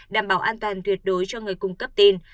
đảm bảo an toàn tuyệt đối cho người cung cấp tin